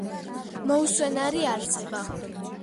მოუსვენარი არსება